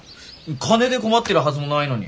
金で困ってるはずもないのに。